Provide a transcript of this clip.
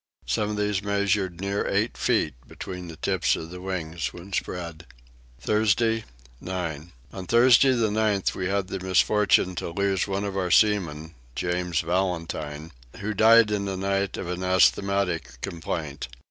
Some of these measured near eight feet between the tips of the wings when spread. Thursday 9. On Thursday the 9th we had the misfortune to lose one of our seamen, James Valentine, who died in the night of an asthmatic complaint.